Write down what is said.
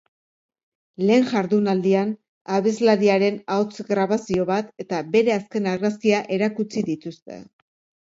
Lehen jardunaldian, abeslariaren ahots grabazio bat eta bere azken argazkia erakutsi dituzte.